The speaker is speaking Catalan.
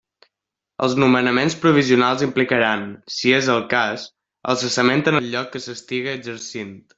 Els nomenaments provisionals implicaran, si és el cas, el cessament en el lloc que s'estiga exercint.